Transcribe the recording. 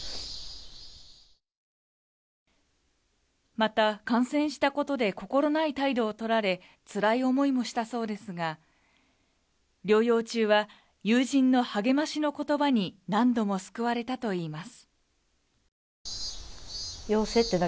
また感染したことで心ない態度をとられ、つらい思いもしたそうですが、療養中は友人の励ましの言葉に何度も救われたといいます。